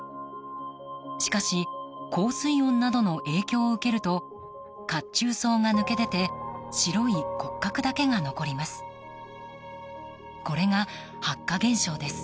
しかし高水温などの影響を受けると褐虫藻が抜け出て白い骨格だけが残ります。